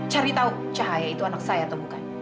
cari tahu cahaya itu anak saya atau bukan